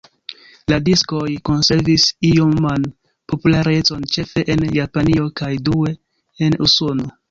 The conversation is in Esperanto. La diskoj konservis ioman popularecon ĉefe en Japanio kaj due en Usono.